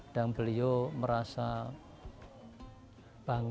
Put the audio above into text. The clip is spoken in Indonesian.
dan beliau merasa bangga